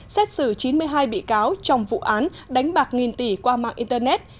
xét xử chín mươi hai bị cáo trong vụ án đánh bạc nghìn tỷ qua mạng internet